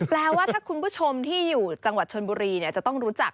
แปลว่าถ้าคุณผู้ชมที่อยู่จังหวัดชนบุรีจะต้องรู้จัก